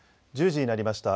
１０時になりました。